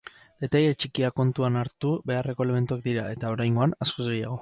Detaile txikiak kontuan hartu beharreko elementuak dira eta, oraingoan, askoz gehiago.